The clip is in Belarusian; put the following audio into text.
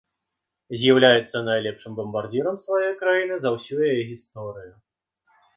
З'яўляецца найлепшым бамбардзірам сваёй краіны за ўсю яе гісторыю.